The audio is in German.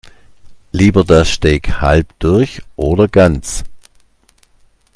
Lieber das Steak halb durch oder ganz?